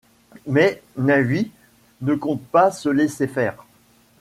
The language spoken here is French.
Mais Nävis ne compte pas se laisser faire...